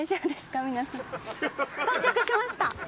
到着しました。